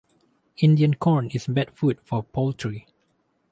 Indian corn is bad food for poultry.